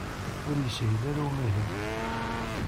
Ur yeshil ara i umahil